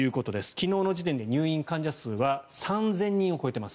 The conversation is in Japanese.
昨日の時点での入院患者数は３０００人を超えています。